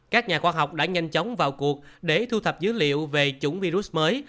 các nhà khoa học đã nhanh chóng vào cuộc để thu thập dữ liệu về chủng virus mới